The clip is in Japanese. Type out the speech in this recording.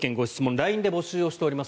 ＬＩＮＥで募集をしております。